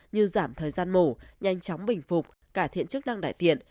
như giảm thời gian mổ nhanh chóng bình phục cải thiện chức năng đại tiện